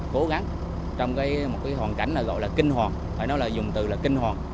cố gắng trong một cái hoàn cảnh gọi là kinh hòn phải nói là dùng từ là kinh hòn